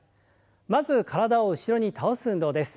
まず体を後ろに倒す運動です。